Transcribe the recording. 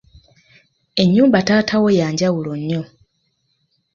Ennyumba taata wo ya njawulo nnyo .